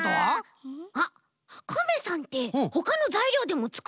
あっカメさんってほかのざいりょうでもつくれそうだよね？